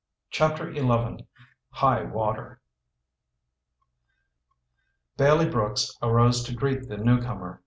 CHAPTER XI HIGH WATER Bailey Brooks arose to greet the newcomer.